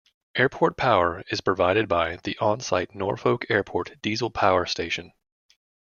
Airport power is provided by the onsite Norfolk Airport Diesel Power Station.